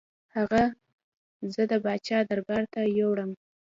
هغه زه د پاچا دربار ته یووړم.